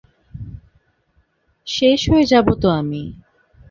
শেষ হয়ে যাবো তো আমি।